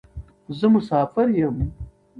زه مسافر یم.